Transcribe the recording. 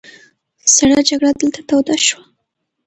سړه جګړه دلته توده شوه.